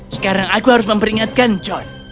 sekarang aku harus memperingatkan john